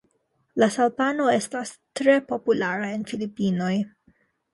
La salpano estas tre populara en Filipinoj.